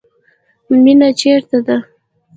مینه چیرته ده؟